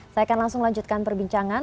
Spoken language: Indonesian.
saya akan langsung lanjutkan perbincangan